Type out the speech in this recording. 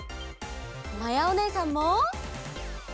まやおねえさんも！